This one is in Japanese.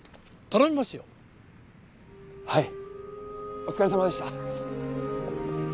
お疲れさまでした。